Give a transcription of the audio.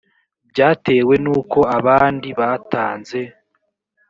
byatewe n uko abandi batanze